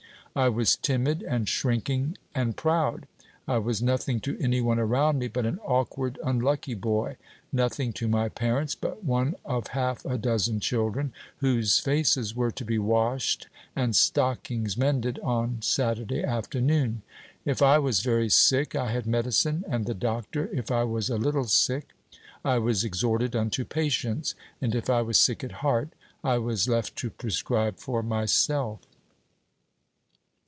I was timid, and shrinking, and proud; I was nothing to any one around me but an awkward, unlucky boy; nothing to my parents but one of half a dozen children, whose faces were to be washed and stockings mended on Saturday afternoon. If I was very sick, I had medicine and the doctor; if I was a little sick, I was exhorted unto patience; and if I was sick at heart, I was left to prescribe for myself.